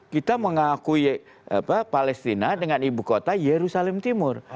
kita mengakui palestina dengan ibu kota yerusalem timur